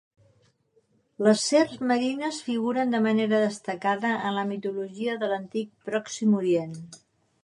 Les serps marines figuren de manera destacada en la mitologia de l'Antic Pròxim Orient.